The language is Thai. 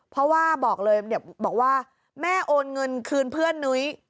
เพราะว่าบอกเลยบอกว่าแม่โอนเงินคืนเพื่อนนุ้ย